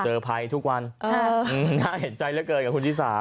ภัยทุกวันน่าเห็นใจเหลือเกินกับคุณชิสา